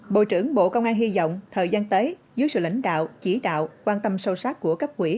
bộ trưởng bộ công an hy vọng thời gian tới dưới sự lãnh đạo chỉ đạo quan tâm sâu sắc của cấp quỹ